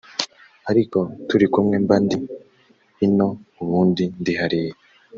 ariko turi kumwe mba ndi ino ubundi ndi hariya